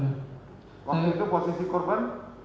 waktu itu posisi korban